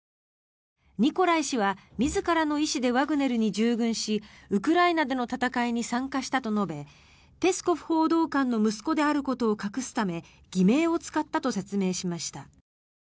ニコライ氏は自らの意思でワグネルに従軍しウクライナでの戦いに参加したと述べペスコフ報道官の息子であることを隠すため偽名を使ったと説明しました。